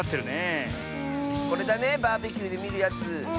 これだねバーベキューでみるやつ。